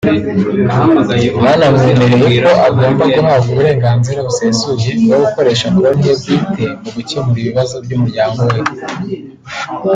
Bwanamwemereye ko agomba guhabwa uburenganzira busesuye bwo gukoresha konti ye bwite mu gukemura ibibazo by’umuryango we